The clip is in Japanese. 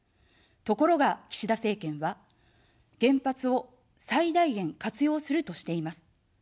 ところが、岸田政権は、原発を最大限活用するとしています。